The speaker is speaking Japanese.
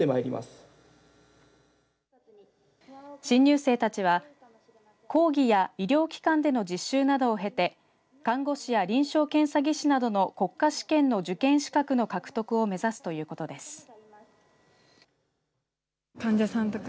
新入生たちは講義や医療機関での実習などを経て看護師や臨床検査技師などの国家試験の受験資格の獲得を目指すということです。